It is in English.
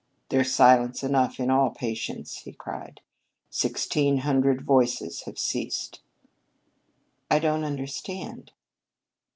"There's silence enough in all patience!" he cried. "Sixteen hundred voices have ceased." "I don't understand."